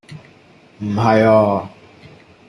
唔係啊